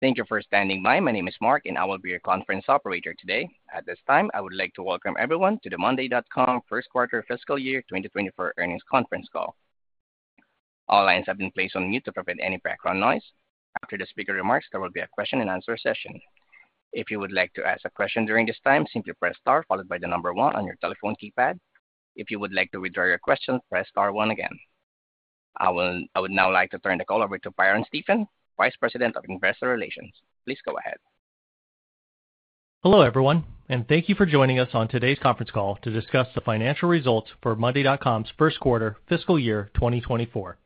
Thank you for standing by. My name is Mark, and I will be your conference operator today. At this time, I would like to welcome everyone to the monday.com first quarter fiscal year 2024 earnings conference call. All lines have been placed on mute to prevent any background noise. After the speaker remarks, there will be a question-and-answer session. If you would like to ask a question during this time, simply press one followed by the number one on your telephone keypad. If you would like to withdraw your question, press star one again. I will now like to turn the call over to Byron Stephen, Vice President of Investor Relations. Please go ahead. Hello everyone, and thank you for joining us on today's conference call to discuss the financial results for monday.com's first quarter fiscal year 2024.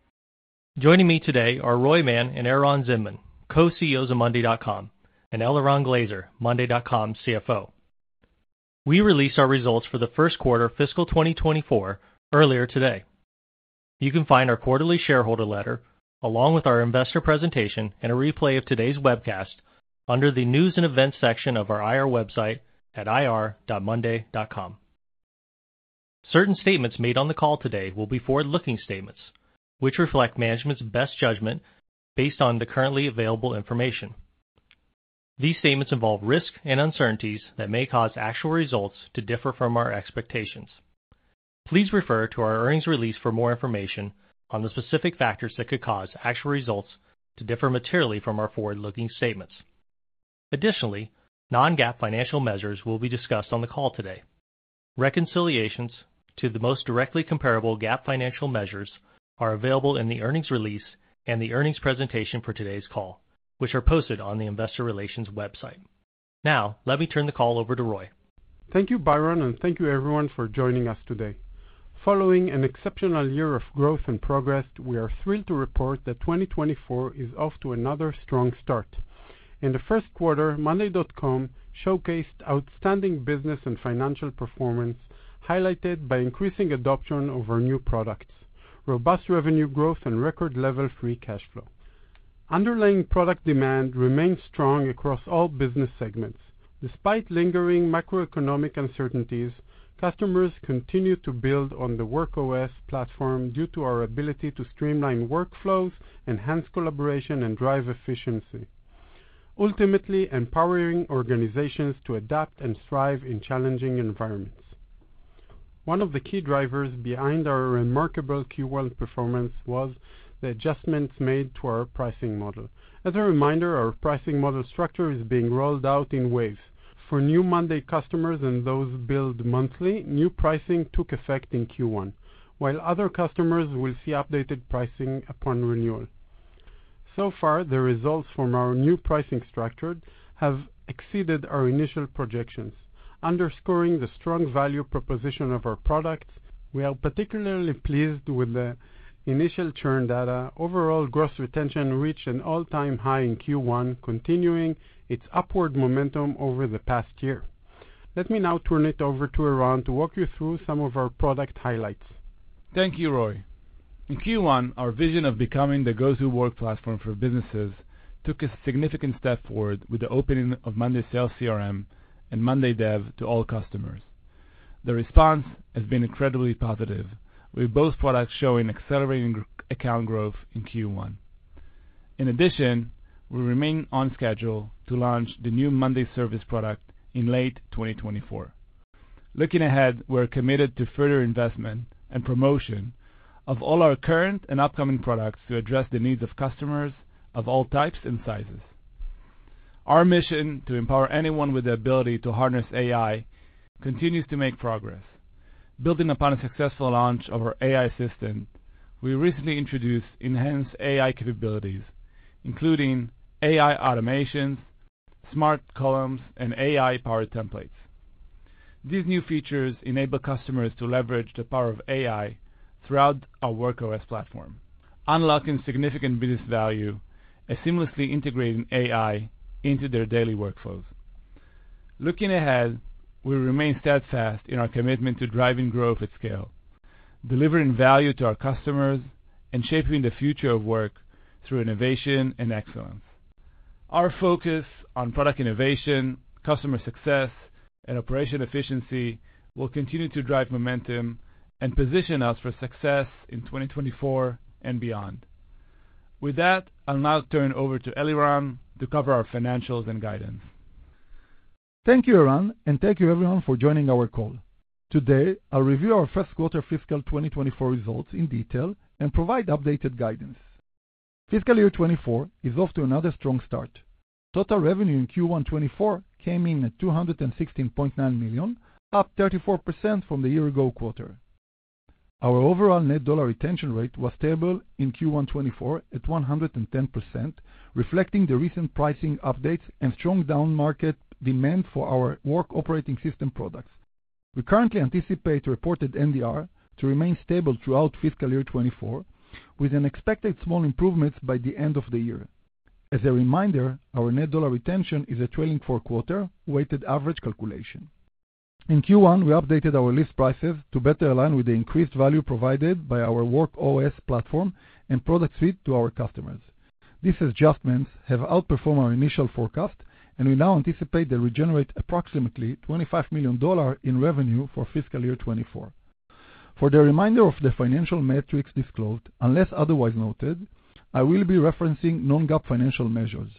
Joining me today are Roy Mann and Eran Zinman, co-CEOs of monday.com, and Eliran Glazer, monday.com's CFO. We released our results for the first quarter fiscal 2024 earlier today. You can find our quarterly shareholder letter, along with our investor presentation and a replay of today's webcast, under the news and events section of our IR website at ir.monday.com. Certain statements made on the call today will be forward-looking statements, which reflect management's best judgment based on the currently available information. These statements involve risk and uncertainties that may cause actual results to differ from our expectations. Please refer to our earnings release for more information on the specific factors that could cause actual results to differ materially from our forward-looking statements. Additionally, non-GAAP financial measures will be discussed on the call today. Reconciliations to the most directly comparable GAAP financial measures are available in the earnings release and the earnings presentation for today's call, which are posted on the investor relations website. Now, let me turn the call over to Roy. Thank you, Byron, and thank you everyone for joining us today. Following an exceptional year of growth and progress, we are thrilled to report that 2024 is off to another strong start. In the first quarter, monday.com showcased outstanding business and financial performance highlighted by increasing adoption of our new products, robust revenue growth, and record-level free cash flow. Underlying product demand remained strong across all business segments. Despite lingering macroeconomic uncertainties, customers continued to build on the Work OS platform due to our ability to streamline workflows, enhance collaboration, and drive efficiency, ultimately empowering organizations to adapt and thrive in challenging environments. One of the key drivers behind our remarkable Q1 performance was the adjustments made to our pricing model. As a reminder, our pricing model structure is being rolled out in waves. For new monday.com customers and those billed monthly, new pricing took effect in Q1, while other customers will see updated pricing upon renewal. So far, the results from our new pricing structure have exceeded our initial projections, underscoring the strong value proposition of our products. We are particularly pleased with the initial churn data. Overall, gross retention reached an all-time high in Q1, continuing its upward momentum over the past year. Let me now turn it over to Eran to walk you through some of our product highlights. Thank you, Roy. In Q1, our vision of becoming the go-to-work platform for businesses took a significant step forward with the opening of monday sales CRM and monday dev to all customers. The response has been incredibly positive, with both products showing accelerating account growth in Q1. In addition, we remain on schedule to launch the new monday service product in late 2024. Looking ahead, we're committed to further investment and promotion of all our current and upcoming products to address the needs of customers of all types and sizes. Our mission to empower anyone with the ability to harness AI continues to make progress. Building upon a successful launch of our AI assistant, we recently introduced enhanced AI capabilities, including AI automations, smart columns, and AI-powered templates. These new features enable customers to leverage the power of AI throughout our Work OS platform, unlocking significant business value as seamlessly integrating AI into their daily workflows. Looking ahead, we remain steadfast in our commitment to driving growth at scale, delivering value to our customers, and shaping the future of work through innovation and excellence. Our focus on product innovation, customer success, and operation efficiency will continue to drive momentum and position us for success in 2024 and beyond. With that, I'll now turn over to Eliran to cover our financials and guidance. Thank you, Eran, and thank you everyone for joining our call. Today, I'll review our first quarter fiscal 2024 results in detail and provide updated guidance. Fiscal year 2024 is off to another strong start. Total revenue in Q1 2024 came in at $216.9 million, up 34% from the year-ago quarter. Our overall net dollar retention rate was stable in Q1 2024 at 110%, reflecting the recent pricing updates and strong down-market demand for our work operating system products. We currently anticipate reported NDR to remain stable throughout fiscal year 2024, with an expected small improvement by the end of the year. As a reminder, our net dollar retention is a trailing-four-quarter weighted average calculation. In Q1, we updated our list prices to better align with the increased value provided by our Work OS platform and product suite to our customers. These adjustments have outperformed our initial forecast, and we now anticipate they'll generate approximately $25 million in revenue for fiscal year 2024. For the remainder of the financial metrics disclosed, unless otherwise noted, I will be referencing non-GAAP financial measures.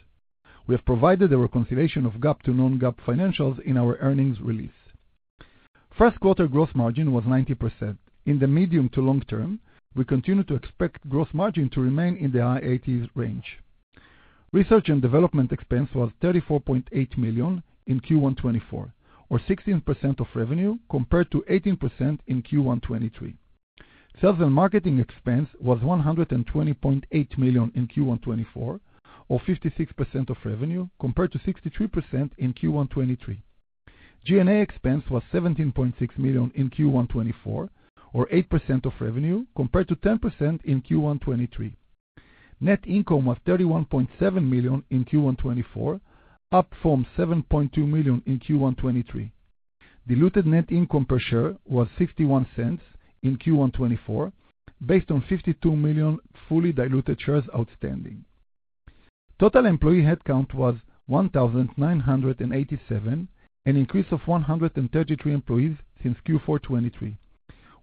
We have provided a reconciliation of GAAP to non-GAAP financials in our earnings release. First quarter gross margin was 90%. In the medium to long term, we continue to expect gross margin to remain in the high 80s range. Research and development expense was $34.8 million in Q1 2024, or 16% of revenue compared to 18% in Q1 2023. Sales and marketing expense was $120.8 million in Q1 2024, or 56% of revenue compared to 63% in Q1 2023. G&A expense was $17.6 million in Q1 2024, or 8% of revenue compared to 10% in Q1 2023. Net income was $31.7 million in Q1 2024, up from $7.2 million in Q1 2023. Diluted net income per share was $0.61 in Q1 2024, based on 52 million fully diluted shares outstanding. Total employee headcount was 1,987, an increase of 133 employees since Q4 2023.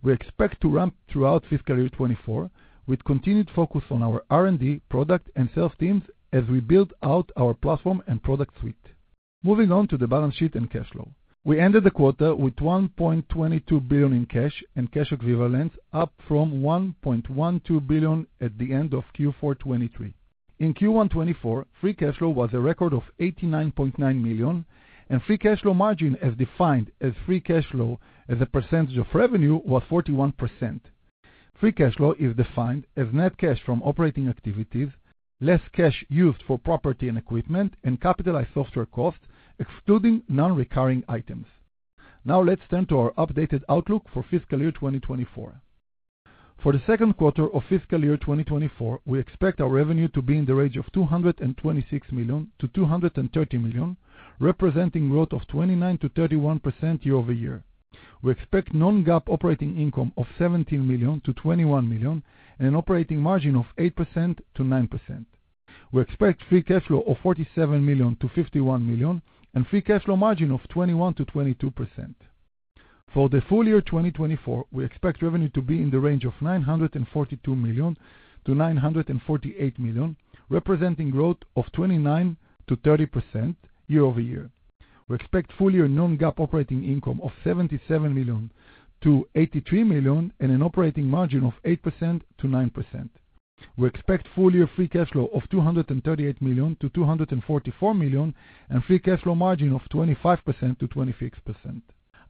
We expect to ramp throughout fiscal year 2024 with continued focus on our R&D, product, and sales teams as we build out our platform and product suite. Moving on to the balance sheet and cash flow. We ended the quarter with $1.22 billion in cash and cash equivalents, up from $1.12 billion at the end of Q4 2023. In Q1 2024, free cash flow was a record of $89.9 million, and free cash flow margin, as defined as free cash flow as a percentage of revenue, was 41%. Free cash flow is defined as net cash from operating activities, less cash used for property and equipment, and capitalized software costs, excluding non-recurring items. Now, let's turn to our updated outlook for fiscal year 2024. For the second quarter of fiscal year 2024, we expect our revenue to be in the range of $226 million-$230 million, representing growth of 29%-31% year-over-year. We expect non-GAAP operating income of $17 million-$21 million, and an operating margin of 8%-9%. We expect free cash flow of $47 million-$51 million, and free cash flow margin of 21%-22%. For the full year 2024, we expect revenue to be in the range of $942 million-$948 million, representing growth of 29%-30% year-over-year. We expect full-year non-GAAP operating income of $77 million-$83 million, and an operating margin of 8%-9%. We expect full-year free cash flow of $238 million-$244 million, and free cash flow margin of 25%-26%.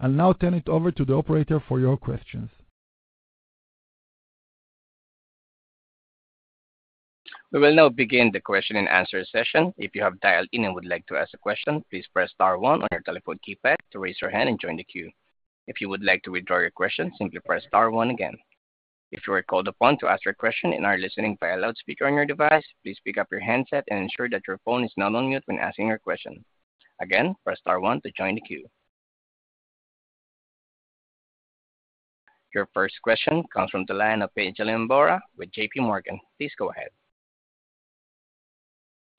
I'll now turn it over to the operator for your questions. We will now begin the question-and-answer session. If you have dialed in and would like to ask a question, please press star one on your telephone keypad to raise your hand and join the queue. If you would like to withdraw your question, simply press star one again. If you are called upon to ask your question and are listening via loudspeaker on your device, please pick up your handset and ensure that your phone is not on mute when asking your question. Again, press star one to join the queue. Your first question comes from the line of Pinjalim Bora with J.P. Morgan. Please go ahead.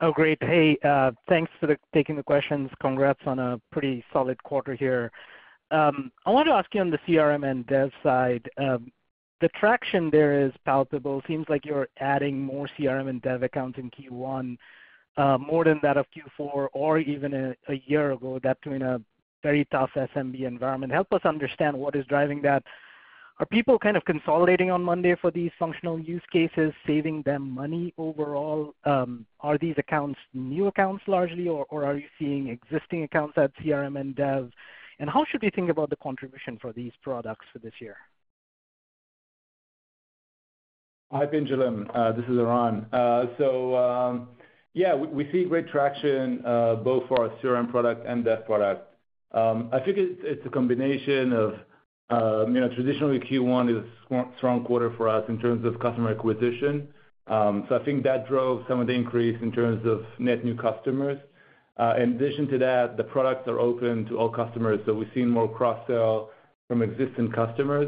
Oh, great. Hey, thanks for taking the questions. Congrats on a pretty solid quarter here. I wanted to ask you on the CRM and Dev side. The traction there is palpable. Seems like you're adding more CRM and Dev accounts in Q1, more than that of Q4 or even a year ago, that during a very tough SMB environment. Help us understand what is driving that. Are people kind of consolidating on Monday for these functional use cases, saving them money overall? Are these accounts new accounts largely, or are you seeing existing accounts at CRM and Dev? And how should we think about the contribution for these products for this year? Hi, Pinjalim. This is Eran. So yeah, we see great traction both for our CRM product and dev product. I think it's a combination of traditionally, Q1 is a strong quarter for us in terms of customer acquisition. So I think that drove some of the increase in terms of net new customers. In addition to that, the products are open to all customers, so we've seen more cross-sell from existing customers.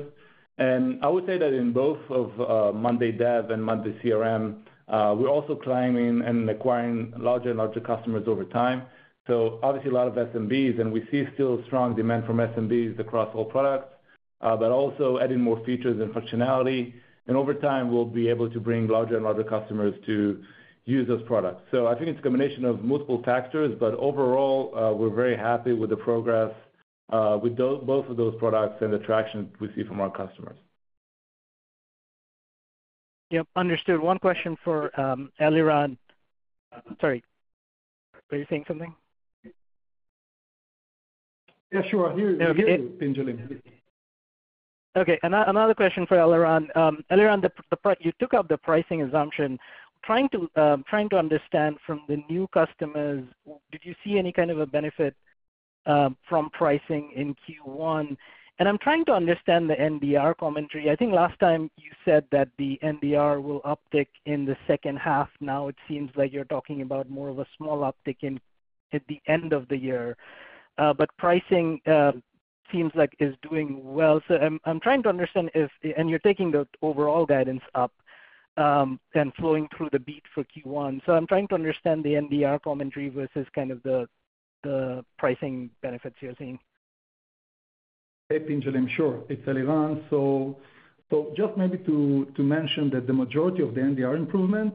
And I would say that in both of monday dev and monday CRM, we're also climbing and acquiring larger and larger customers over time. So obviously, a lot of SMBs, and we see still strong demand from SMBs across all products, but also adding more features and functionality. And over time, we'll be able to bring larger and larger customers to use those products. I think it's a combination of multiple factors, but overall, we're very happy with the progress with both of those products and the traction we see from our customers. Yep, understood. One question for Eliran. Sorry. Were you saying something? Yeah, sure. I hear you, Pinjalim. Okay. Another question for Eliran. Eliran, you took up the pricing assumption. Trying to understand from the new customers, did you see any kind of a benefit from pricing in Q1? And I'm trying to understand the NDR commentary. I think last time you said that the NDR will uptick in the second half. Now, it seems like you're talking about more of a small uptick at the end of the year. But pricing seems like it's doing well. So I'm trying to understand if and you're taking the overall guidance up and flowing through the beat for Q1. So I'm trying to understand the NDR commentary versus kind of the pricing benefits you're seeing. Hey, Pinjalim. Sure. It's Eliran. So just maybe to mention that the majority of the NDR improvement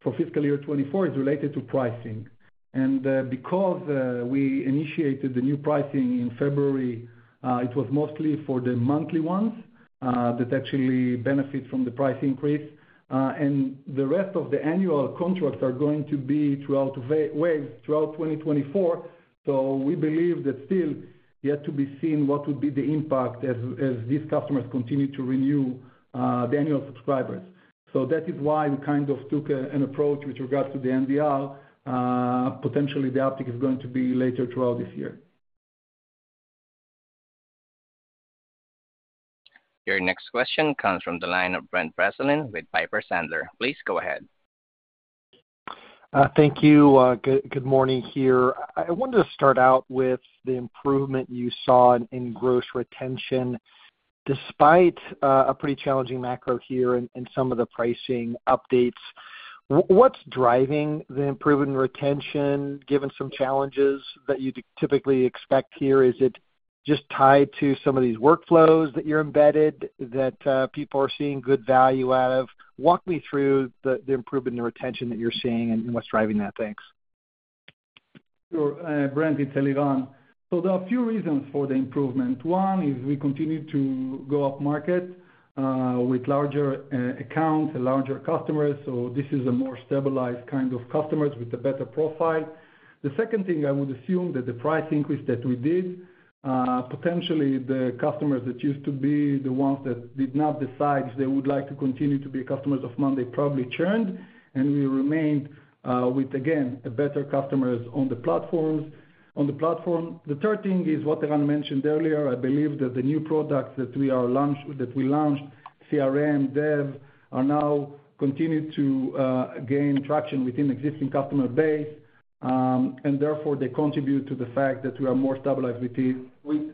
for fiscal year 2024 is related to pricing. And because we initiated the new pricing in February, it was mostly for the monthly ones that actually benefit from the price increase. And the rest of the annual contracts are going to be throughout waves throughout 2024. So we believe that still, yet to be seen what would be the impact as these customers continue to renew the annual subscribers. So that is why we kind of took an approach with regard to the NDR. Potentially, the uptick is going to be later throughout this year. Your next question comes from the line of Brent Bracelin with Piper Sandler. Please go ahead. Thank you. Good morning here. I wanted to start out with the improvement you saw in gross retention. Despite a pretty challenging macro here and some of the pricing updates, what's driving the improvement in retention, given some challenges that you typically expect here? Is it just tied to some of these workflows that you're embedded that people are seeing good value out of? Walk me through the improvement in retention that you're seeing and what's driving that. Thanks. Sure. Brent, it's Eliran. So there are a few reasons for the improvement. One is we continue to go up market with larger accounts and larger customers. So this is a more stabilized kind of customers with a better profile. The second thing, I would assume that the price increase that we did, potentially the customers that used to be the ones that did not decide if they would like to continue to be customers of Monday probably churned. And we remained with, again, better customers on the platforms. The third thing is what Eran mentioned earlier. I believe that the new products that we launched, CRM, Dev, are now continuing to gain traction within the existing customer base. And therefore, they contribute to the fact that we are more stabilized with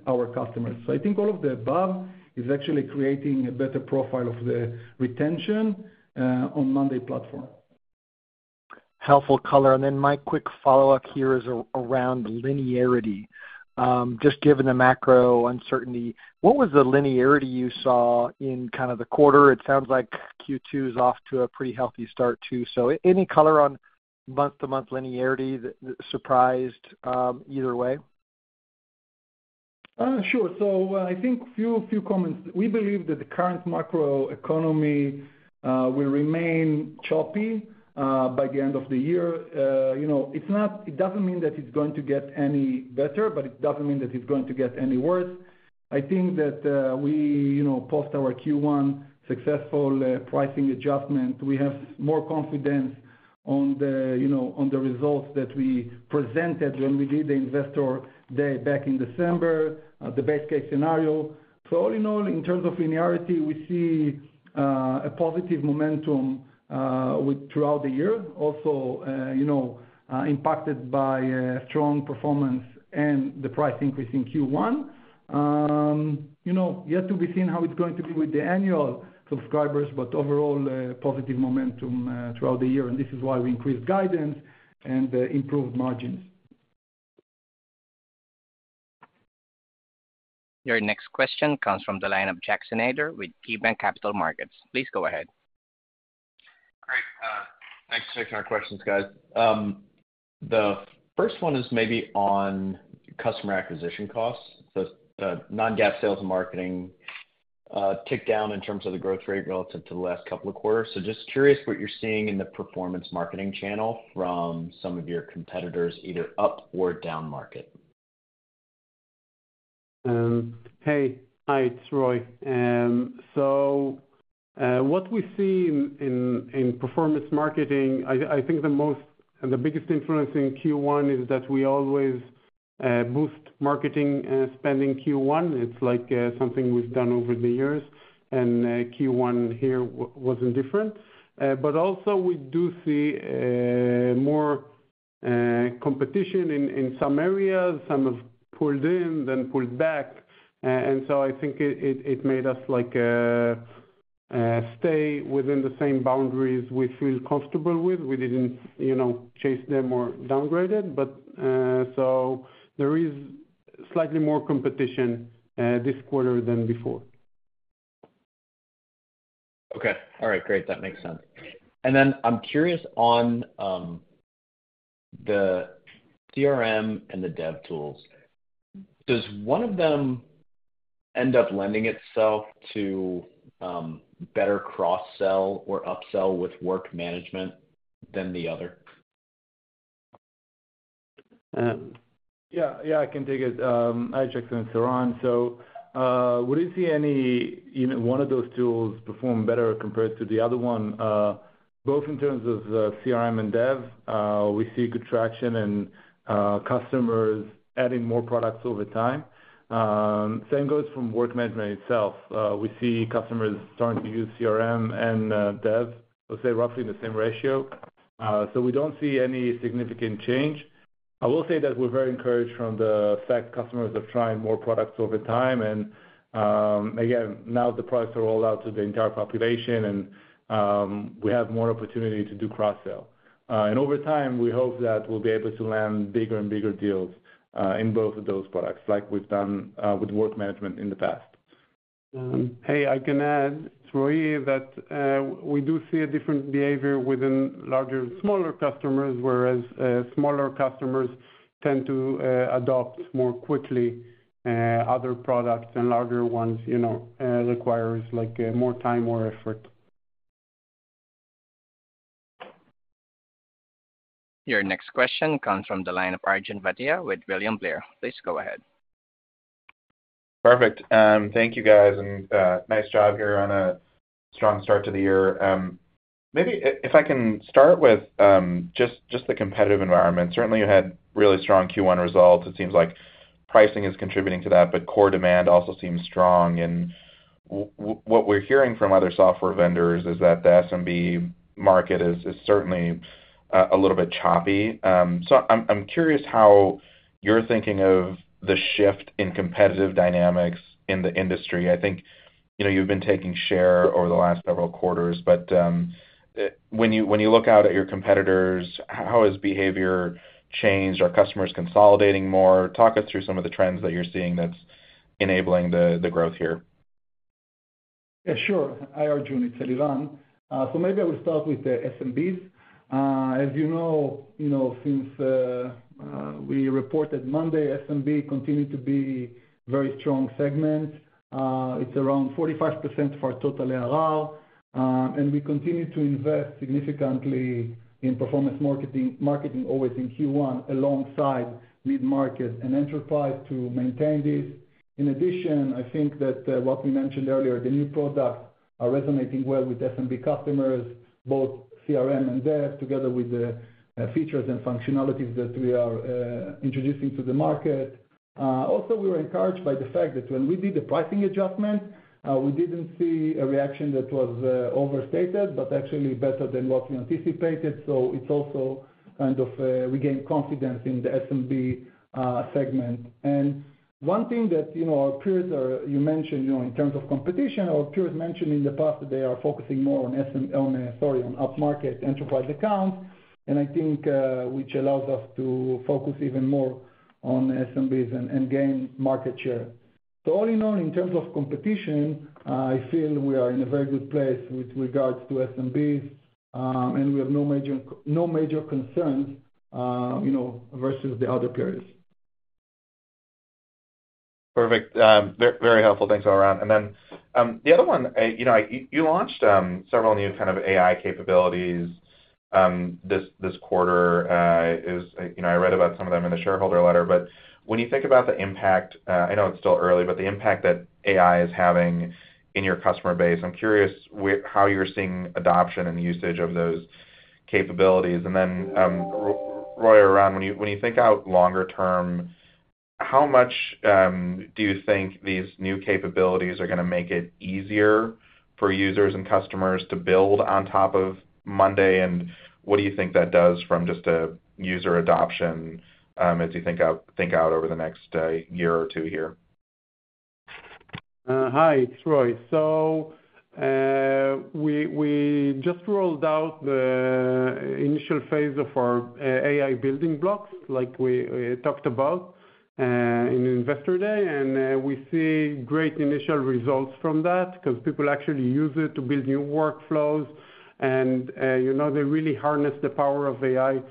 our customers. I think all of the above is actually creating a better profile of the retention on monday platform. Helpful color. And then my quick follow-up here is around linearity. Just given the macro uncertainty, what was the linearity you saw in kind of the quarter? It sounds like Q2 is off to a pretty healthy start too. So any color on month-to-month linearity that surprised either way? Sure. So I think a few comments. We believe that the current macroeconomy will remain choppy by the end of the year. It doesn't mean that it's going to get any better, but it doesn't mean that it's going to get any worse. I think that we post our Q1 successful pricing adjustment, we have more confidence on the results that we presented when we did the investor day back in December, the best-case scenario. So all in all, in terms of linearity, we see a positive momentum throughout the year, also impacted by strong performance and the price increase in Q1. Yet to be seen how it's going to be with the annual subscribers, but overall, positive momentum throughout the year. And this is why we increased guidance and improved margins. Your next question comes from the line of Jackson Ader with KeyBanc Capital Markets. Please go ahead. Great. Thanks for taking our questions, guys. The first one is maybe on customer acquisition costs. So non-GAAP sales and marketing ticked down in terms of the growth rate relative to the last couple of quarters. So just curious what you're seeing in the performance marketing channel from some of your competitors, either up or down market. Hey. Hi, it's Roy. So what we see in performance marketing, I think the biggest influence in Q1 is that we always boost marketing spending Q1. It's something we've done over the years. Q1 here wasn't different. But also, we do see more competition in some areas. Some have pulled in, then pulled back. So I think it made us stay within the same boundaries we feel comfortable with. We didn't chase them or downgrade it. There is slightly more competition this quarter than before. Okay. All right. Great. That makes sense. And then I'm curious on the CRM and the Dev tools. Does one of them end up lending itself to better cross-sell or upsell with Work Management than the other? Yeah. Yeah, I can take it. Hi, Jackson. It's Eran. So we didn't see any one of those tools perform better compared to the other one. Both in terms of CRM and Dev, we see good traction and customers adding more products over time. Same goes for Work Management itself. We see customers starting to use CRM and Dev, I would say, roughly in the same ratio. So we don't see any significant change. I will say that we're very encouraged from the fact customers are trying more products over time. And again, now the products are rolled out to the entire population, and we have more opportunity to do cross-sell. And over time, we hope that we'll be able to land bigger and bigger deals in both of those products like we've done with Work Management in the past. Hey, I can add, Roy, that we do see a different behavior within larger and smaller customers, whereas smaller customers tend to adopt more quickly other products, and larger ones require more time or effort. Your next question comes from the line of Arjun Bhatia with William Blair. Please go ahead. Perfect. Thank you, guys. Nice job here on a strong start to the year. Maybe if I can start with just the competitive environment. Certainly, you had really strong Q1 results. It seems like pricing is contributing to that, but core demand also seems strong. What we're hearing from other software vendors is that the SMB market is certainly a little bit choppy. So I'm curious how you're thinking of the shift in competitive dynamics in the industry. I think you've been taking share over the last several quarters. But when you look out at your competitors, how has behavior changed? Are customers consolidating more? Talk us through some of the trends that you're seeing that's enabling the growth here. Yeah, sure. Hi, Arjun. It's Eliran. So maybe I will start with the SMBs. As you know, since we reported monday.com, SMB continued to be a very strong segment. It's around 45% of our total ARR. And we continue to invest significantly in performance marketing, always in Q1, alongside mid-market and enterprise to maintain this. In addition, I think that what we mentioned earlier, the new products are resonating well with SMB customers, both CRM and Dev, together with the features and functionalities that we are introducing to the market. Also, we were encouraged by the fact that when we did the pricing adjustment, we didn't see a reaction that was overstated, but actually better than what we anticipated. So it's also kind of we gained confidence in the SMB segment. And one thing that our peers, as you mentioned, in terms of competition. Our peers mentioned in the past that they are focusing more on, sorry, on up-market enterprise accounts, which allows us to focus even more on SMBs and gain market share. All in all, in terms of competition, I feel we are in a very good place with regards to SMBs. We have no major concerns versus the other peers. Perfect. Very helpful. Thanks, Eran. And then the other one, you launched several new kind of AI capabilities this quarter. I read about some of them in the shareholder letter. But when you think about the impact, I know it's still early, but the impact that AI is having in your customer base, I'm curious how you're seeing adoption and usage of those capabilities. And then, Roy, Eran, when you think out longer term, how much do you think these new capabilities are going to make it easier for users and customers to build on top of monday? And what do you think that does from just a user adoption as you think out over the next year or two here? Hi, it's Roy. So we just rolled out the initial phase of our AI building blocks like we talked about in Investor Day. And we see great initial results from that because people actually use it to build new workflows. And they really harness the power of AI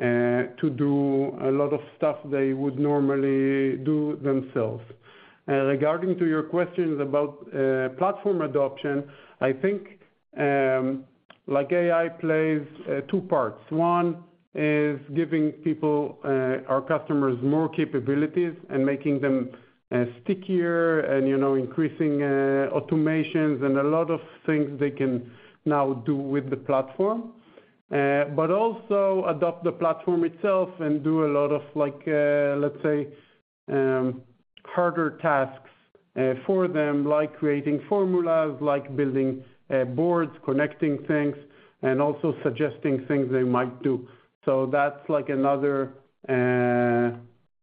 to do a lot of stuff they would normally do themselves. Regarding your questions about platform adoption, I think AI plays two parts. One is giving our customers more capabilities and making them stickier and increasing automations and a lot of things they can now do with the platform, but also adopt the platform itself and do a lot of, let's say, harder tasks for them, like creating formulas, like building boards, connecting things, and also suggesting things they might do. So that's another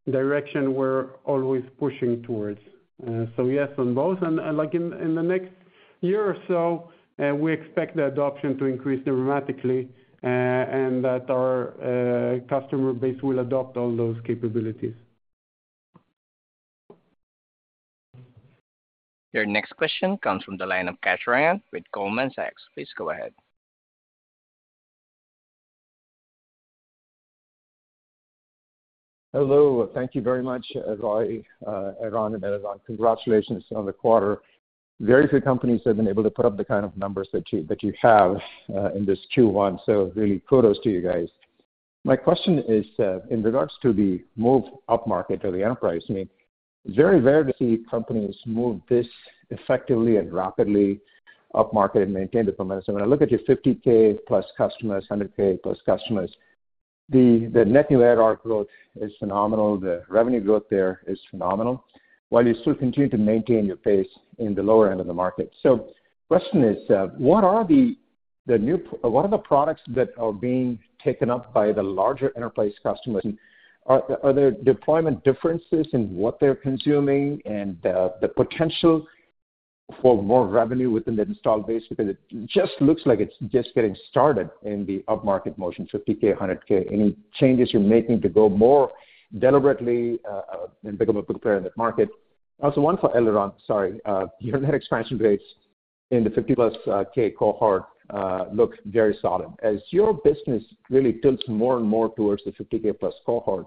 direction we're always pushing towards. So yes, on both. In the next year or so, we expect the adoption to increase dramatically and that our customer base will adopt all those capabilities. Your next question comes from the line of Kash Rangan with Goldman Sachs. Please go ahead. Hello. Thank you very much, Roy, Eran, and Eliran. Congratulations on the quarter. Very few companies have been able to put up the kind of numbers that you have in this Q1. So really, kudos to you guys. My question is in regards to the move up market or the enterprise. I mean, it's very rare to see companies move this effectively and rapidly up market and maintain the performance. I mean, I look at your 50,000-plus customers, 100,000-plus customers. The net new ARR growth is phenomenal. The revenue growth there is phenomenal while you still continue to maintain your pace in the lower end of the market. So the question is, what are the products that are being taken up by the larger enterprise customers? And are there deployment differences in what they're consuming and the potential for more revenue within the installed base? Because it just looks like it's just getting started in the up-market motion, 50K, 100K, any changes you're making to go more deliberately and become a big player in that market. Also, one for Eliran. Sorry. Your net expansion rates in the 50-plus-K cohort look very solid. As your business really tilts more and more towards the 50K-plus cohort,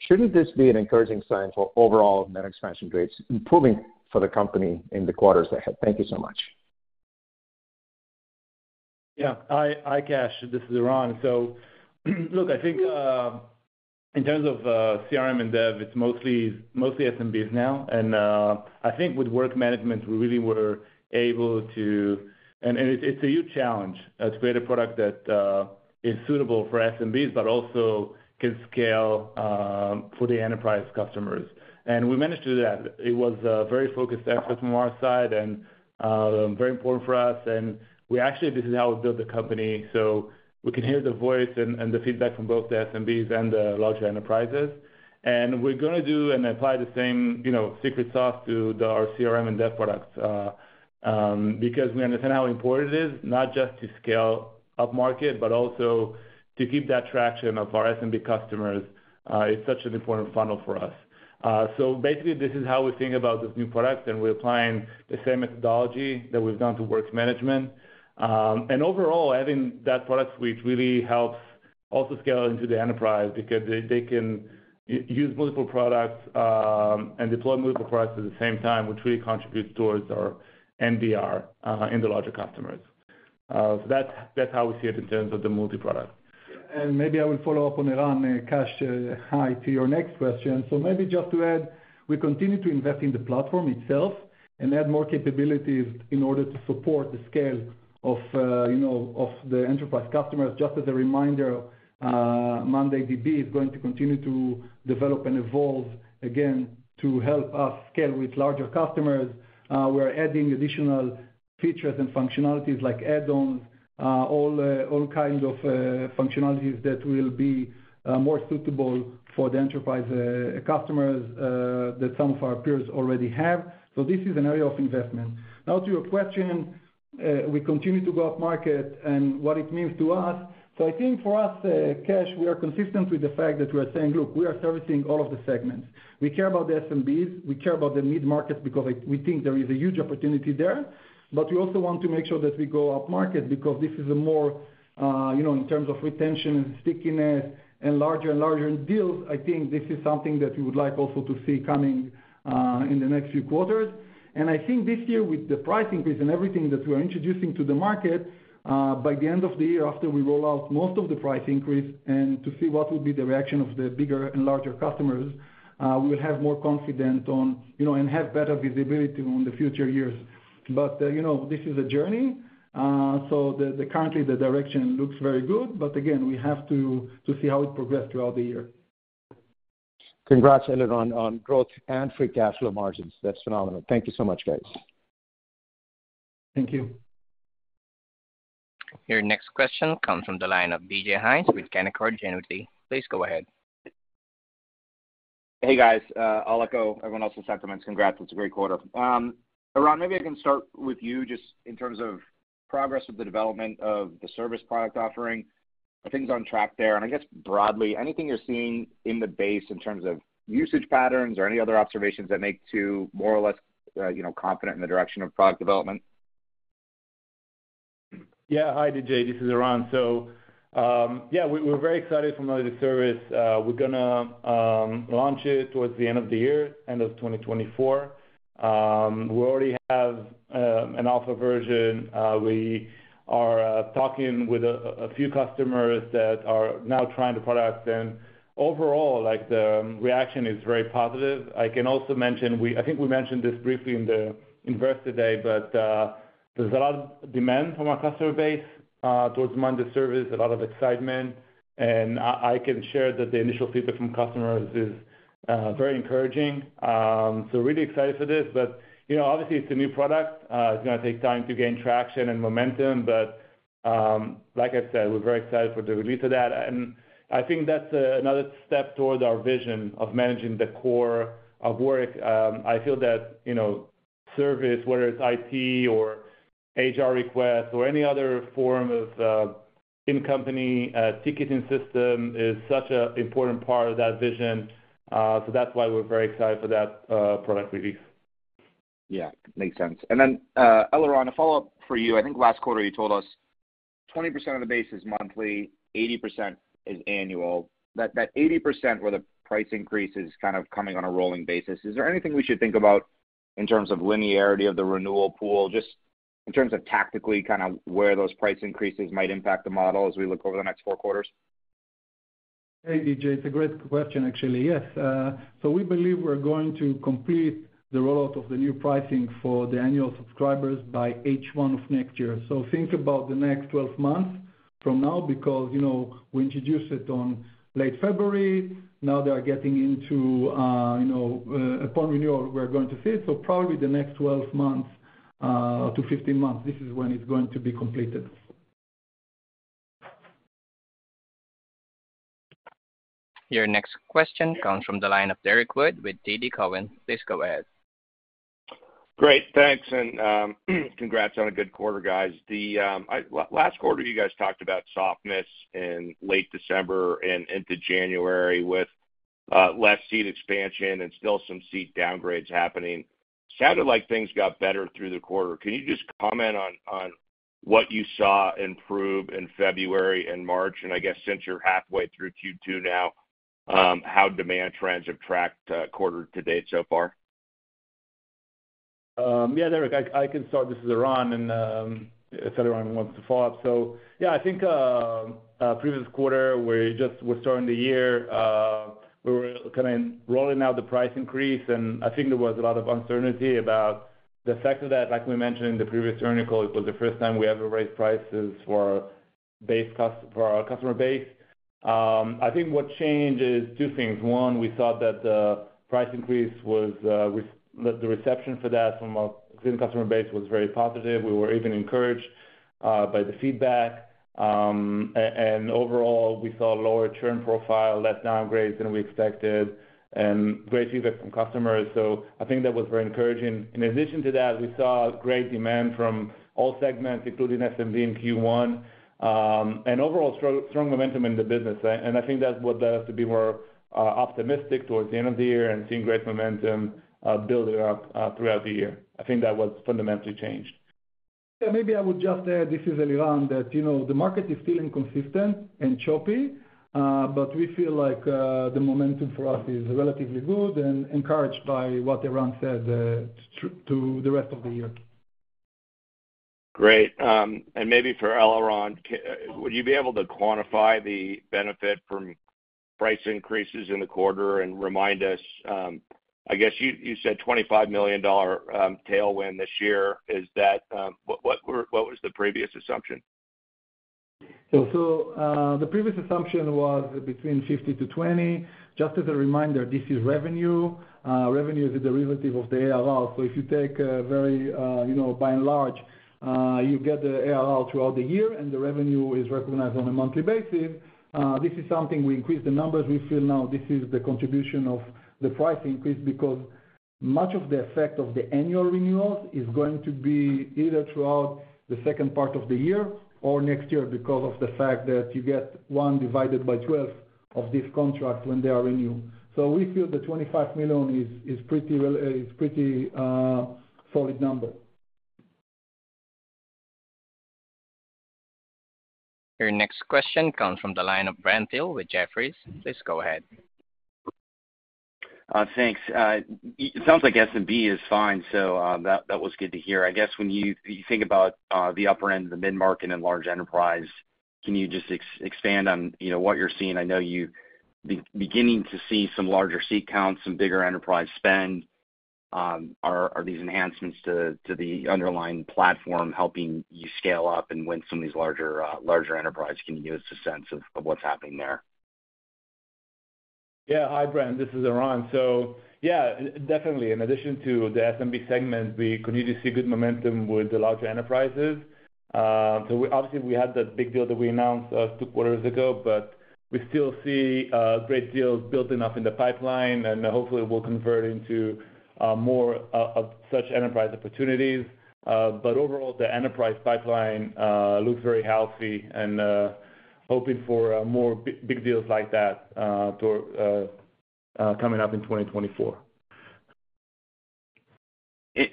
shouldn't this be an encouraging sign for overall net expansion rates improving for the company in the quarters ahead? Thank you so much. Yeah. Hi, Kash. This is Eran. So look, I think in terms of CRM and Dev, it's mostly SMBs now. And I think with Work Management, we really were able to, and it's a huge challenge to create a product that is suitable for SMBs but also can scale for the enterprise customers. And we managed to do that. It was a very focused effort from our side and very important for us. And actually, this is how we build the company. So we can hear the voice and the feedback from both the SMBs and the larger enterprises. And we're going to do and apply the same secret sauce to our CRM and Dev products because we understand how important it is, not just to scale up market, but also to keep that traction of our SMB customers. It's such an important funnel for us. So basically, this is how we think about this new product. We're applying the same methodology that we've done to Work Management. Overall, adding that product suite really helps also scale into the enterprise because they can use multiple products and deploy multiple products at the same time, which really contributes towards our NDR in the larger customers. So that's how we see it in terms of the multi-product. Maybe I will follow up on Eran. Kash, hi. To your next question. So maybe just to add, we continue to invest in the platform itself and add more capabilities in order to support the scale of the enterprise customers. Just as a reminder, mondayDB is going to continue to develop and evolve again to help us scale with larger customers. We are adding additional features and functionalities like add-ons, all kinds of functionalities that will be more suitable for the enterprise customers that some of our peers already have. So this is an area of investment. Now, to your question, we continue to go up market and what it means to us. So I think for us, Kash, we are consistent with the fact that we are saying, "Look, we are servicing all of the segments. We care about the SMBs. We care about the mid-markets because we think there is a huge opportunity there. But we also want to make sure that we go up market because this is a more in terms of retention and stickiness and larger and larger deals. I think this is something that we would like also to see coming in the next few quarters. I think this year, with the price increase and everything that we are introducing to the market, by the end of the year, after we roll out most of the price increase and to see what would be the reaction of the bigger and larger customers, we will have more confidence and have better visibility in the future years. But this is a journey. So currently, the direction looks very good. But again, we have to see how it progresses throughout the year. Congrats, Eliran, on growth and free cash flow margins. That's phenomenal. Thank you so much, guys. Thank you. Your next question comes from the line of DJ Hynes with Canaccord Genuity. Please go ahead. Hey, guys. I'll echo everyone else's sentiments. Congrats. It's a great quarter. Eran, maybe I can start with you just in terms of progress with the development of the service product offering. Are things on track there? And I guess broadly, anything you're seeing in the base in terms of usage patterns or any other observations that make you more or less confident in the direction of product development? Yeah. Hi, DJ. This is Eran. So yeah, we're very excited to launch the service. We're going to launch it towards the end of the year, end of 2024. We already have an alpha version. We are talking with a few customers that are now trying the product. And overall, the reaction is very positive. I can also mention I think we mentioned this briefly in the investor day, but there's a lot of demand from our customer base towards monday service, a lot of excitement. And I can share that the initial feedback from customers is very encouraging. So really excited for this. But obviously, it's a new product. It's going to take time to gain traction and momentum. But like I said, we're very excited for the release of that. And I think that's another step towards our vision of managing the core of work. I feel that service, whether it's IT or HR requests or any other form of in-company ticketing system, is such an important part of that vision. So that's why we're very excited for that product release. Yeah. Makes sense. And then Eliran, a follow-up for you. I think last quarter, you told us 20% of the base is monthly, 80% is annual. That 80% where the price increase is kind of coming on a rolling basis, is there anything we should think about in terms of linearity of the renewal pool, just in terms of tactically kind of where those price increases might impact the model as we look over the next four quarters? Hey, DJ. It's a great question, actually. Yes. So we believe we're going to complete the rollout of the new pricing for the annual subscribers by H1 of next year. So think about the next 12 months from now because we introduced it in late February. Now they are getting into upon renewal, we're going to see it. So probably the next 12 months to 15 months, this is when it's going to be completed. Your next question comes from the line of Derrick Wood with TD Cowen. Please go ahead. Great. Thanks. And congrats on a good quarter, guys. Last quarter, you guys talked about softness in late December and into January with less seat expansion and still some seat downgrades happening. Sounded like things got better through the quarter. Can you just comment on what you saw improve in February and March? And I guess since you're halfway through Q2 now, how demand trends have tracked quarter to date so far? Yeah, Derrick. I can start. This is Eran. And if anyone wants to follow up. So yeah, I think previous quarter, we were starting the year. We were kind of rolling out the price increase. And I think there was a lot of uncertainty about the fact that, like we mentioned in the previous article, it was the first time we ever raised prices for our customer base. I think what changed is two things. One, we thought that the price increase was the reception for that from our customer base was very positive. We were even encouraged by the feedback. And overall, we saw a lower churn profile, less downgrades than we expected, and great feedback from customers. So I think that was very encouraging. In addition to that, we saw great demand from all segments, including SMB in Q1, and overall strong momentum in the business. I think that's what led us to be more optimistic towards the end of the year and seeing great momentum building up throughout the year. I think that was fundamentally changed. Yeah. Maybe I would just add, this is Eliran, that the market is still inconsistent and choppy. But we feel like the momentum for us is relatively good and encouraged by what Eran said to the rest of the year. Great. Maybe for Eliran, would you be able to quantify the benefit from price increases in the quarter and remind us? I guess you said $25 million tailwind this year. What was the previous assumption? So the previous assumption was between $50 million-$20 million. Just as a reminder, this is revenue. Revenue is a derivative of the ARR. So if you take by and large, you get the ARR throughout the year, and the revenue is recognized on a monthly basis. This is something we increased the numbers. We feel now this is the contribution of the price increase because much of the effect of the annual renewals is going to be either throughout the second part of the year or next year because of the fact that you get 1/12 of these contracts when they are renewed. So we feel the $25 million is pretty solid number. Your next question comes from the line of Brent Thill with Jefferies. Please go ahead. Thanks. It sounds like SMB is fine. So that was good to hear. I guess when you think about the upper end, the mid-market, and large enterprise, can you just expand on what you're seeing? I know you're beginning to see some larger seat counts, some bigger enterprise spend. Are these enhancements to the underlying platform helping you scale up and win some of these larger enterprises? Can you give us a sense of what's happening there? Yeah. Hi, Brent. This is Eran. So yeah, definitely. In addition to the SMB segment, we continue to see good momentum with the larger enterprises. So obviously, we had that big deal that we announced two quarters ago. But we still see great deals built enough in the pipeline. And hopefully, it will convert into more of such enterprise opportunities. But overall, the enterprise pipeline looks very healthy and hoping for more big deals like that coming up in 2024.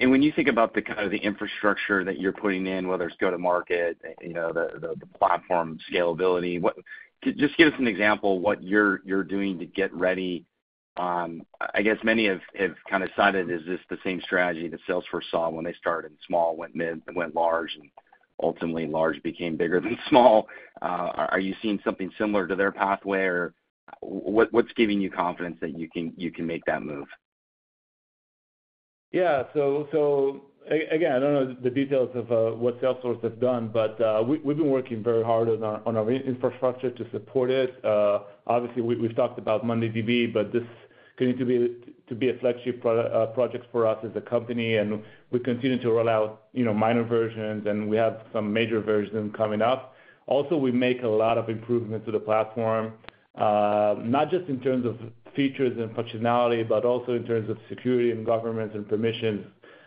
When you think about kind of the infrastructure that you're putting in, whether it's go-to-market, the platform scalability, just give us an example of what you're doing to get ready. I guess many have kind of cited, "Is this the same strategy that Salesforce saw when they started in small, went mid, and went large, and ultimately, large became bigger than small?" Are you seeing something similar to their pathway, or what's giving you confidence that you can make that move? Yeah. So again, I don't know the details of what Salesforce has done. But we've been working very hard on our infrastructure to support it. Obviously, we've talked about mondayDB, but this continues to be a flagship project for us as a company. And we continue to roll out minor versions. And we have some major versions coming up. Also, we make a lot of improvements to the platform, not just in terms of features and functionality, but also in terms of security and governance and permissions.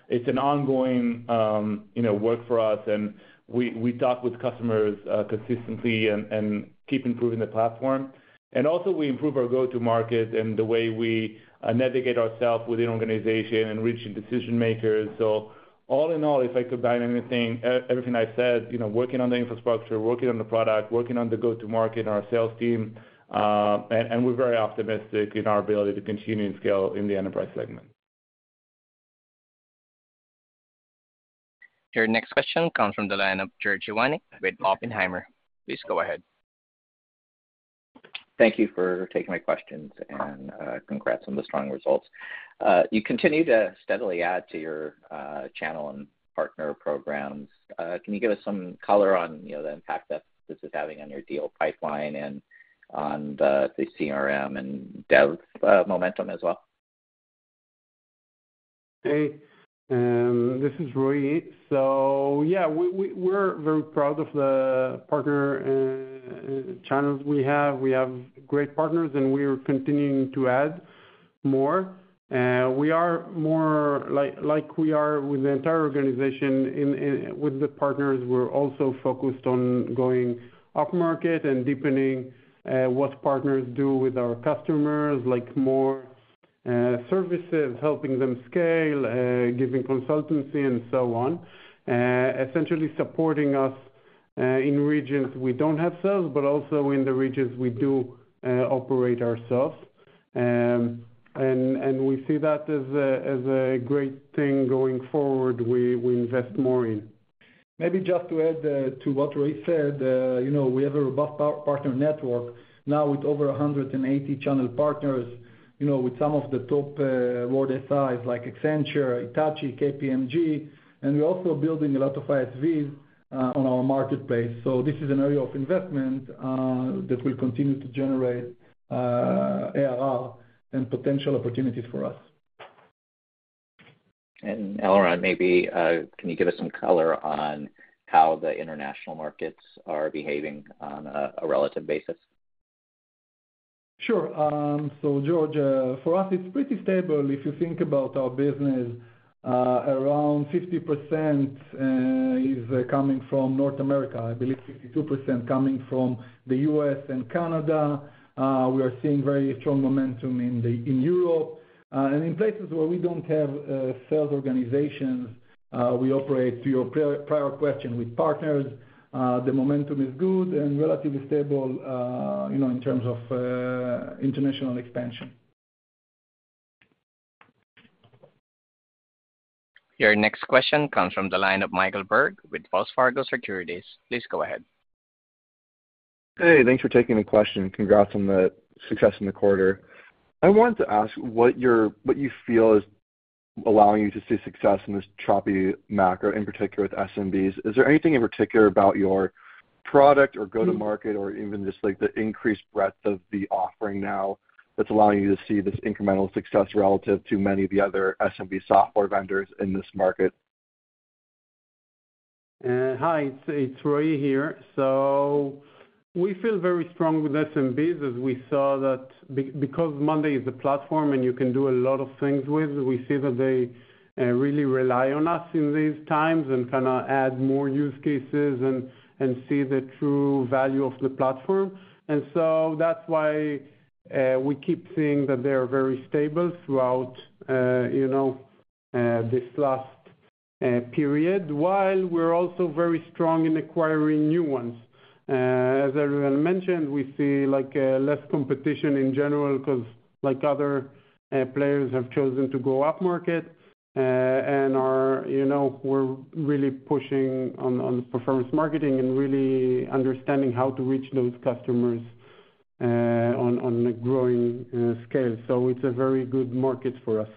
It's an ongoing work for us. And we talk with customers consistently and keep improving the platform. And also, we improve our go-to-market and the way we navigate ourselves within organization and reaching decision-makers. All in all, if I combine everything I've said, working on the infrastructure, working on the product, working on the go-to-market and our sales team, and we're very optimistic in our ability to continue to scale in the enterprise segment. Your next question comes from the line of George Iwanyc with Oppenheimer. Please go ahead. Thank you for taking my questions. Congrats on the strong results. You continue to steadily add to your channel and partner programs. Can you give us some color on the impact that this is having on your deal pipeline and on the CRM and dev momentum as well? Hey. This is Roy. So yeah, we're very proud of the partner channels we have. We have great partners, and we are continuing to add more. Like we are with the entire organization, with the partners, we're also focused on going up market and deepening what partners do with our customers, like more services, helping them scale, giving consultancy, and so on, essentially supporting us in regions we don't have sales but also in the regions we do operate ourselves. And we see that as a great thing going forward, we invest more in. Maybe just to add to what Roy said, we have a robust partner network now with over 180 channel partners, with some of the top world SIs like Accenture, Hitachi, KPMG. And we're also building a lot of ISVs on our marketplace. So this is an area of investment that will continue to generate ARR and potential opportunities for us. Eliran, maybe can you give us some color on how the international markets are behaving on a relative basis? Sure. George, for us, it's pretty stable. If you think about our business, around 50% is coming from North America, I believe 52% coming from the U.S. and Canada. We are seeing very strong momentum in Europe. In places where we don't have sales organizations, we operate, to your prior question, with partners. The momentum is good and relatively stable in terms of international expansion. Your next question comes from the line of Michael Berg with Wells Fargo Securities. Please go ahead. Hey. Thanks for taking the question. Congrats on the success in the quarter. I wanted to ask what you feel is allowing you to see success in this choppy macro, in particular with SMBs. Is there anything in particular about your product or go-to-market or even just the increased breadth of the offering now that's allowing you to see this incremental success relative to many of the other SMB software vendors in this market? Hi. It's Roy here. So we feel very strong with SMBs as we saw that because Monday is the platform and you can do a lot of things with, we see that they really rely on us in these times and kind of add more use cases and see the true value of the platform. And so that's why we keep seeing that they are very stable throughout this last period while we're also very strong in acquiring new ones. As Eliran mentioned, we see less competition in general because other players have chosen to go up market. And we're really pushing on performance marketing and really understanding how to reach those customers on a growing scale. So it's a very good market for us.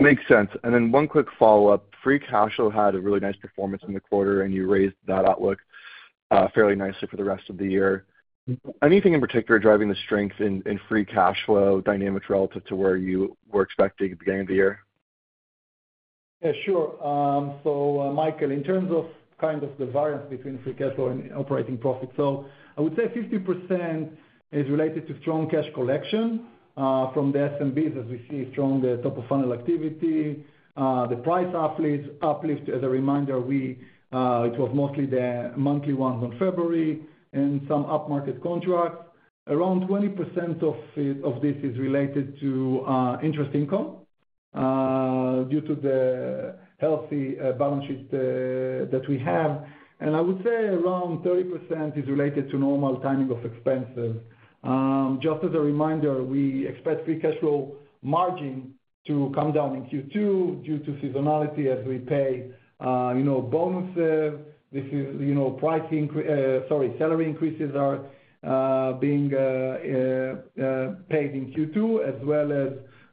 Makes sense. And then one quick follow-up. Free cash flow had a really nice performance in the quarter, and you raised that outlook fairly nicely for the rest of the year. Anything in particular driving the strength in free cash flow dynamics relative to where you were expecting at the beginning of the year? Yeah. Sure. So Michael, in terms of kind of the variance between free cash flow and operating profit, so I would say 50% is related to strong cash collection from the SMBs as we see strong top-of-funnel activity, the price uplift. As a reminder, it was mostly the monthly ones in February and some up-market contracts. Around 20% of this is related to interest income due to the healthy balance sheet that we have. And I would say around 30% is related to normal timing of expenses. Just as a reminder, we expect free cash flow margin to come down in Q2 due to seasonality as we pay bonuses. This is pricing, sorry, salary increases are being paid in Q2 as well as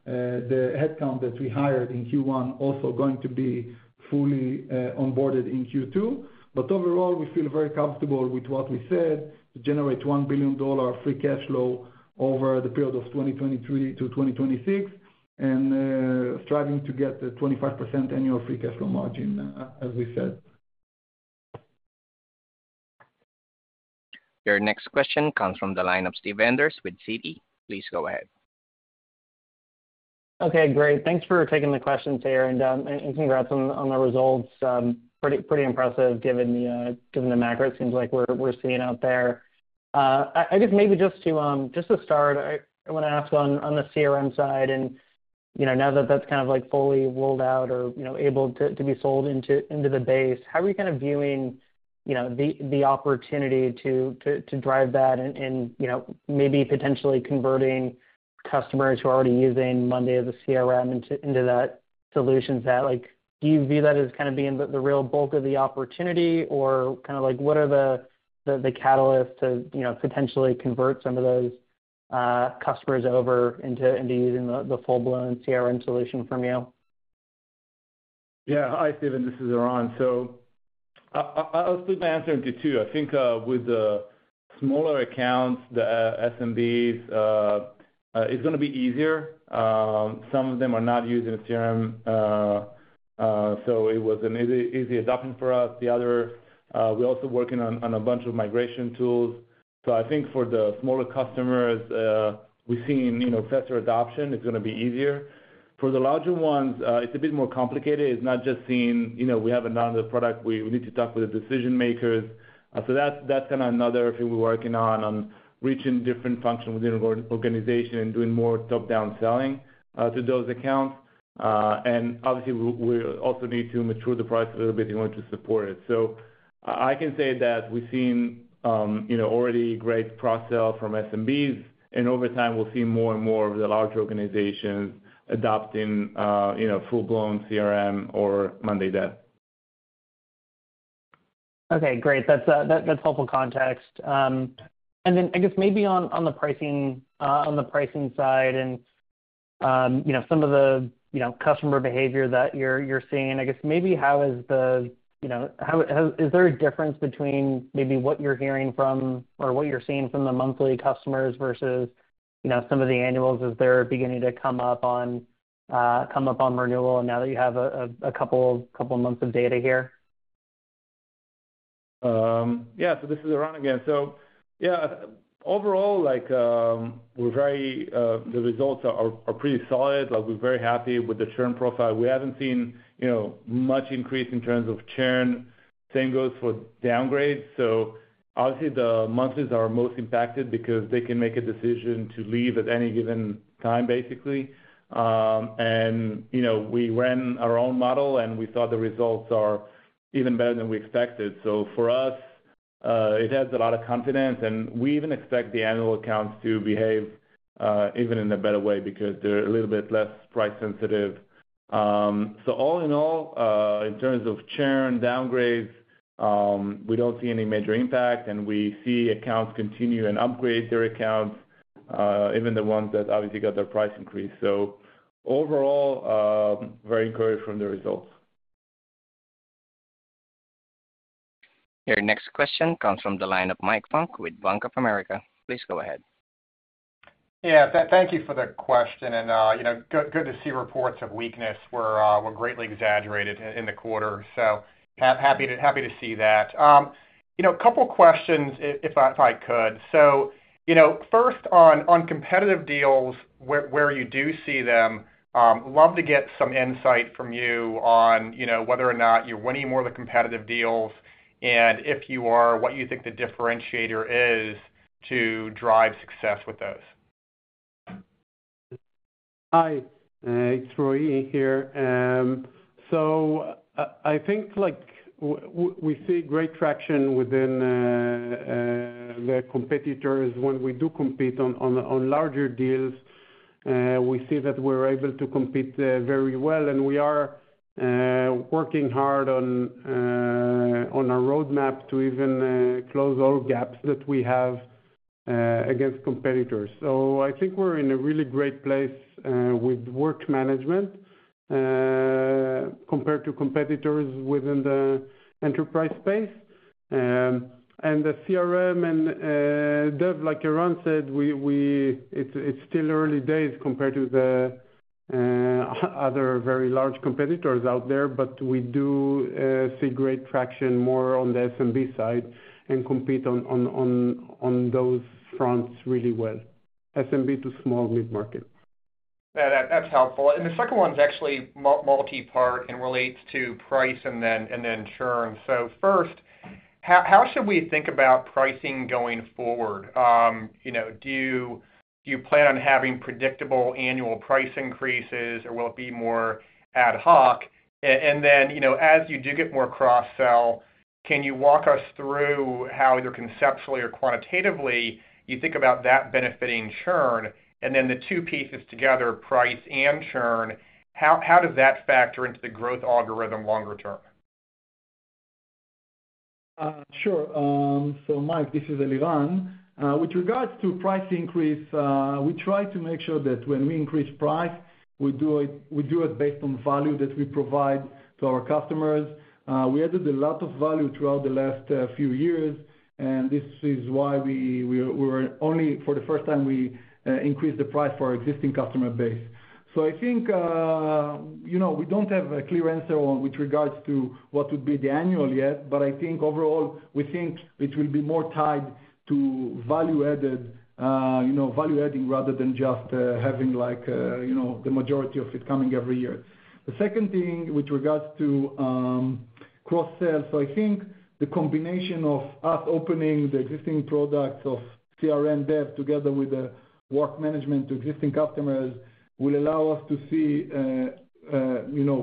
the headcount that we hired in Q1 also going to be fully onboarded in Q2. Overall, we feel very comfortable with what we said to generate $1 billion free cash flow over the period of 2023 to 2026 and striving to get the 25% annual free cash flow margin as we said. Your next question comes from the line of Steve Enders with Citi. Please go ahead. Okay. Great. Thanks for taking the questions here, and congrats on the results. Pretty impressive given the macro it seems like we're seeing out there. I guess maybe just to start, I want to ask on the CRM side. Now that that's kind of fully rolled out or able to be sold into the base, how are you kind of viewing the opportunity to drive that and maybe potentially converting customers who are already using Monday as a CRM into that solution set? Do you view that as kind of being the real bulk of the opportunity, or kind of what are the catalysts to potentially convert some of those customers over into using the full-blown CRM solution from you? Yeah. Hi, Steven. This is Eran. So I'll split my answer into two. I think with the smaller accounts, the SMBs, it's going to be easier. Some of them are not using a CRM, so it was an easy adoption for us. We're also working on a bunch of migration tools. So I think for the smaller customers, we've seen faster adoption. It's going to be easier. For the larger ones, it's a bit more complicated. It's not just seeing we have another product. We need to talk with the decision-makers. So that's kind of another thing we're working on, on reaching different functions within our organization and doing more top-down selling to those accounts. And obviously, we also need to mature the price a little bit in order to support it. So I can say that we've seen already great cross-sell from SMBs. Over time, we'll see more and more of the larger organizations adopting full-blown CRM or monday dev. Okay. Great. That's helpful context. And then I guess maybe on the pricing side and some of the customer behavior that you're seeing, I guess maybe how is there a difference between maybe what you're hearing from or what you're seeing from the monthly customers versus some of the annuals as they're beginning to come up on renewal now that you have a couple of months of data here? Yeah. So this is Eran again. So yeah, overall, the results are pretty solid. We're very happy with the churn profile. We haven't seen much increase in terms of churn. Same goes for downgrades. So obviously, the monthlies are most impacted because they can make a decision to leave at any given time, basically. And we ran our own model, and we saw the results are even better than we expected. So for us, it adds a lot of confidence. And we even expect the annual accounts to behave even in a better way because they're a little bit less price-sensitive. So all in all, in terms of churn and downgrades, we don't see any major impact. And we see accounts continue and upgrade their accounts, even the ones that obviously got their price increased. So overall, very encouraged from the results. Your next question comes from the line of Mike Funk with Bank of America. Please go ahead. Yeah. Thank you for the question. Good to see reports of weakness were greatly exaggerated in the quarter. Happy to see that. A couple of questions if I could. First, on competitive deals, where you do see them, love to get some insight from you on whether or not you're winning more of the competitive deals and if you are, what you think the differentiator is to drive success with those. Hi. It's Roy here. So I think we see great traction within the competitors. When we do compete on larger deals, we see that we're able to compete very well. And we are working hard on our roadmap to even close all gaps that we have against competitors. So I think we're in a really great place with Work Management compared to competitors within the enterprise space. And the CRM and dev, like Eran said, it's still early days compared to the other very large competitors out there. But we do see great traction more on the SMB side and compete on those fronts really well, SMB to small mid-market. Yeah. That's helpful. And the second one's actually multi-part and relates to price and then churn. So first, how should we think about pricing going forward? Do you plan on having predictable annual price increases, or will it be more ad hoc? And then as you do get more cross-sell, can you walk us through how either conceptually or quantitatively you think about that benefiting churn? And then the two pieces together, price and churn, how does that factor into the growth algorithm longer term? Sure. So Mike, this is Eliran. With regards to price increase, we try to make sure that when we increase price, we do it based on value that we provide to our customers. We added a lot of value throughout the last few years. And this is why we were only for the first time, we increased the price for our existing customer base. So I think we don't have a clear answer with regards to what would be the annual yet. But I think overall, we think it will be more tied to value-adding rather than just having the majority of it coming every year. The second thing with regards to cross-sell, so I think the combination of us opening the existing products of CRM, Dev together with the Work Management to existing customers will allow us to see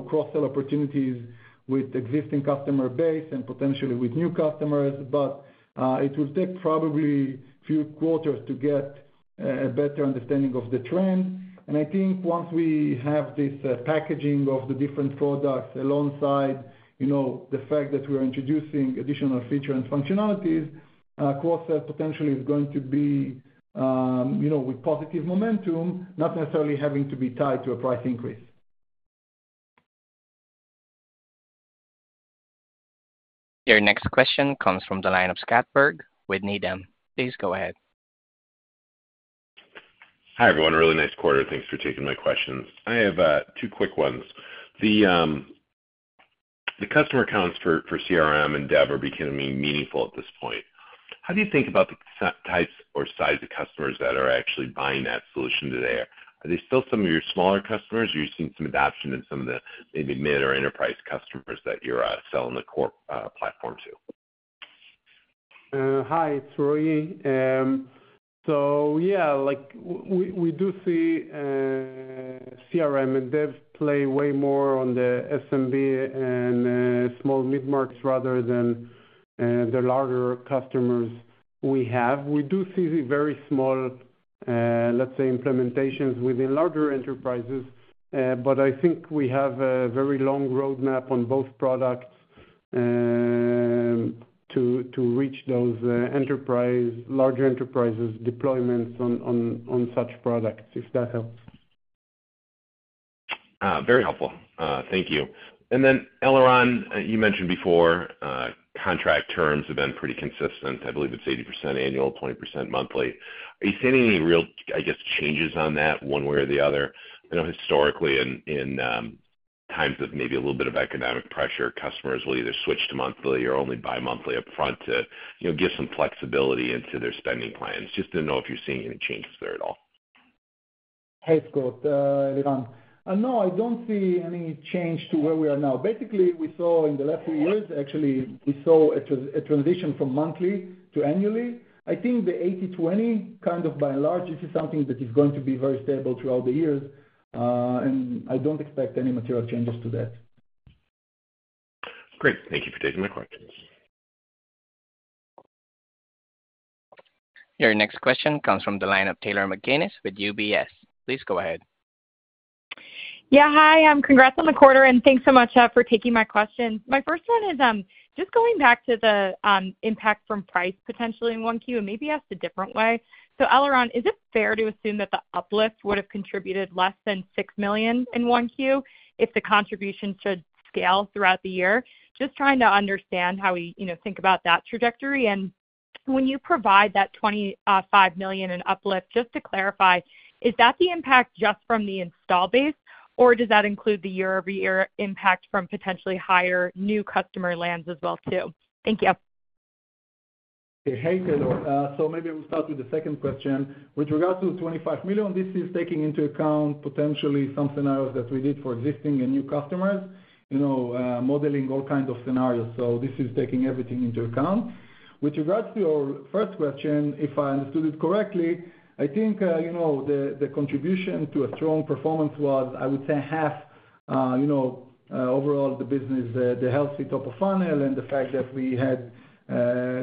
cross-sell opportunities with existing customer base and potentially with new customers. But it will take probably a few quarters to get a better understanding of the trend. And I think once we have this packaging of the different products alongside the fact that we are introducing additional feature and functionalities, cross-sell potentially is going to be with positive momentum, not necessarily having to be tied to a price increase. Your next question comes from the line of Scott Berg with Needham. Please go ahead. Hi, everyone. Really nice quarter. Thanks for taking my questions. I have two quick ones. The customer accounts for CRM and Dev are becoming meaningful at this point. How do you think about the types or size of customers that are actually buying that solution today? Are they still some of your smaller customers, or are you seeing some adoption in some of the maybe mid or enterprise customers that you're selling the core platform to? Hi. It's Roy. So yeah, we do see CRM and Dev play way more on the SMB and small mid-markets rather than the larger customers we have. We do see very small, let's say, implementations within larger enterprises. But I think we have a very long roadmap on both products to reach those larger enterprises' deployments on such products, if that helps. Very helpful. Thank you. And then Eliran, you mentioned before contract terms have been pretty consistent. I believe it's 80% annual, 20% monthly. Are you seeing any real, I guess, changes on that one way or the other? I know historically, in times of maybe a little bit of economic pressure, customers will either switch to monthly or only buy monthly upfront to give some flexibility into their spending plans. Just didn't know if you're seeing any changes there at all. Thanks, Eliran. No, I don't see any change to where we are now. Basically, we saw in the last few years, actually, we saw a transition from monthly to annually. I think the 80/20 kind of by and large. This is something that is going to be very stable throughout the years. I don't expect any material changes to that. Great. Thank you for taking my questions. Your next question comes from the line of Taylor McGinnis with UBS. Please go ahead. Yeah. Hi. Congrats on the quarter, and thanks so much for taking my questions. My first one is just going back to the impact from price potentially in 1Q and maybe asked a different way. So Eliran, is it fair to assume that the uplift would have contributed less than $6 million in 1Q if the contribution should scale throughout the year? Just trying to understand how we think about that trajectory. And when you provide that $25 million in uplift, just to clarify, is that the impact just from the install base, or does that include the year-over-year impact from potentially higher new customer lands as well too? Thank you. Hey, Taylor. So maybe we'll start with the second question. With regards to $25 million, this is taking into account potentially some scenarios that we did for existing and new customers, modeling all kinds of scenarios. So this is taking everything into account. With regards to your first question, if I understood it correctly, I think the contribution to a strong performance was, I would say, half overall the business, the healthy top of funnel, and the fact that we had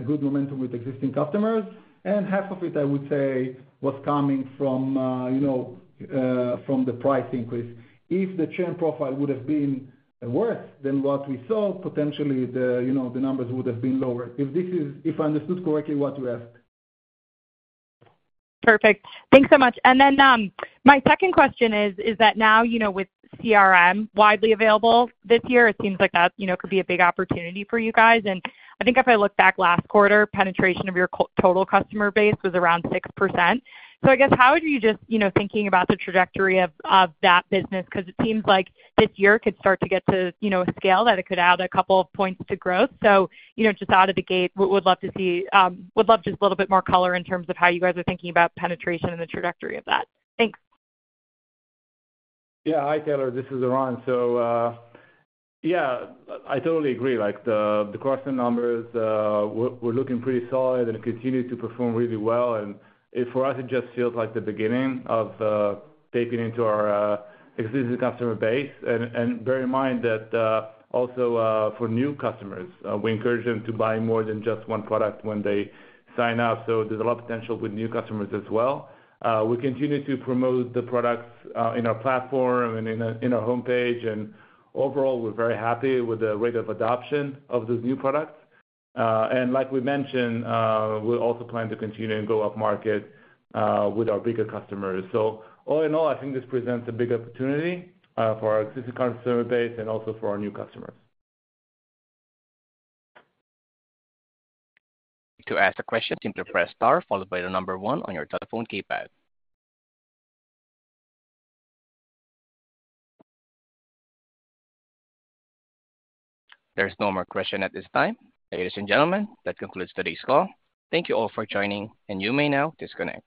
good momentum with existing customers. And half of it, I would say, was coming from the price increase. If the churn profile would have been worse than what we saw, potentially, the numbers would have been lower, if I understood correctly what you asked. Perfect. Thanks so much. And then my second question is, now with CRM widely available this year, it seems like that could be a big opportunity for you guys? And I think if I look back last quarter, penetration of your total customer base was around 6%. So I guess how would you just think about the trajectory of that business? Because it seems like this year could start to get to a scale that it could add a couple of points to growth. So just out of the gate, would love to see just a little bit more color in terms of how you guys are thinking about penetration and the trajectory of that. Thanks. Yeah. Hi, Taylor. This is Eran. So yeah, I totally agree. The cross-sell numbers, we're looking pretty solid and continue to perform really well. And for us, it just feels like the beginning of tapping into our existing customer base. And bear in mind that also for new customers, we encourage them to buy more than just one product when they sign up. So there's a lot of potential with new customers as well. We continue to promote the products in our platform and in our homepage. And overall, we're very happy with the rate of adoption of those new products. And like we mentioned, we're also planning to continue and go upmarket with our bigger customers. So all in all, I think this presents a big opportunity for our existing customer base and also for our new customers. To ask a question, simply press star followed by the number 1 on your telephone keypad. There's no more questions at this time. Ladies and gentlemen, that concludes today's call. Thank you all for joining, and you may now disconnect.